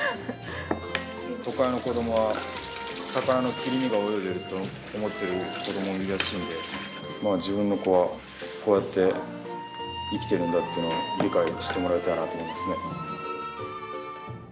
都会の子どもは、魚の切り身が泳いでるって思ってる子もいるらしいので、自分の子は、こうやって生きてるんだっていうのを、理解してもらいたいなと思いますね。